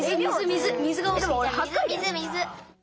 水水！